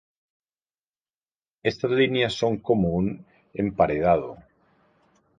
Estas líneas son como un emparedado.